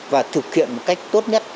và thực hiện một cách tốt nhất